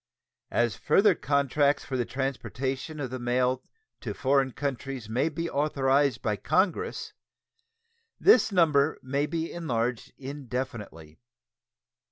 As further contracts for the transportation of the mail to foreign countries may be authorized by Congress, this number may be enlarged indefinitely.